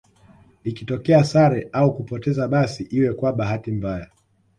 Ikitokea sare au kupoteza basi iwe kwa bahati mbaya